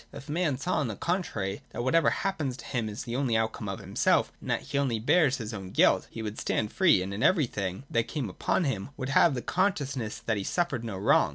If man saw, on the contrary, that whatever happens to him is only the outcome of himself, and that he only bears his own guilt, he would stand free, and in every thing that came upon him would have the consciousness that he suffered no wrong.